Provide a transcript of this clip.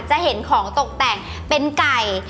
จะเห็นของตกแต่งเป็นไก่